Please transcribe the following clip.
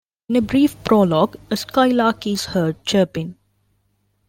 In a brief prologue, a skylark is heard chirping.